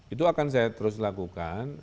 itu akan saya terus lakukan